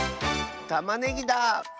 たまねぎだ！